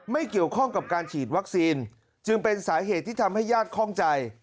ไม่เกี่ยวข้องกับการฉีดวัคซีนจึงเป็นสาเหตุที่ทำให้ญาติคล่องใจ